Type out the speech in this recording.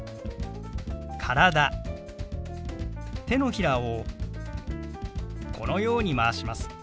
手のひらをこのように回します。